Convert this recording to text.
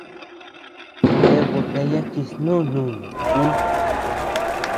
!Ted botella chi snú nuni ú!